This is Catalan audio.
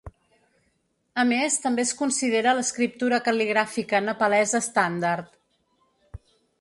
A més, també es considera l'escriptura cal·ligràfica nepalesa estàndard.